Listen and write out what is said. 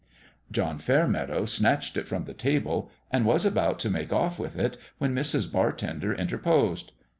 John Fairmeadow snatched it from the table, and was about to make off with it, when Mrs. Bartender interposed.